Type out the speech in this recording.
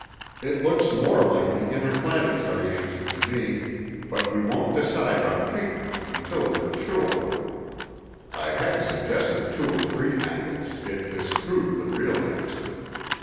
It looks more like the interplanetary answer to me, but we won't decide on treatment until we're sure. [I had suggested two or three angles, if this proved the real answer.